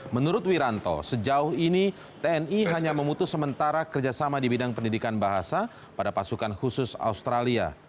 menurut wiranto sejauh ini tni hanya memutus sementara kerjasama di bidang pendidikan bahasa pada pasukan khusus australia